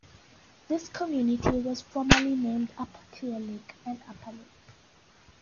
This community was formerly named Upper Clear Lake and Upperlake.